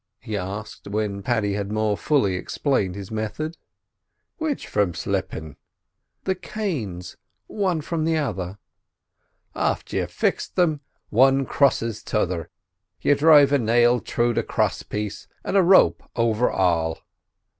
he asked, when Paddy had more fully explained his method. "Which from slippin'?" "The canes—one from the other?" "After you've fixed thim, one cross t'other, you drive a nail through the cross piece and a rope over all."